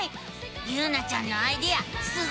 ゆうなちゃんのアイデアすごいね！